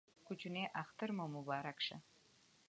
کوچینۍ اختر مو مبارک شه